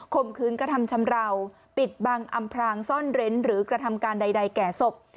มคืนกระทำชำราวปิดบังอำพรางซ่อนเร้นหรือกระทำการใดแก่ศพ